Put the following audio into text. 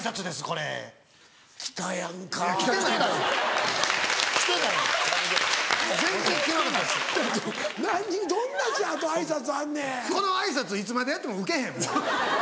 この挨拶いつまでやってもウケへんもう。